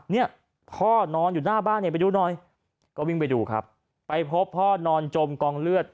เนี่ยพ่อนอนอยู่หน้าบ้านเนี่ยไปดูหน่อยก็วิ่งไปดูครับไปพบพ่อนอนจมกองเลือด